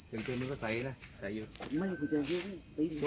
สวัสดีครับคุณผู้ชม